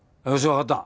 分かった。